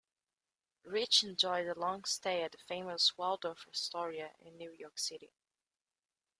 Rich enjoyed a long stay at the famous Waldorf-Astoria in New York City.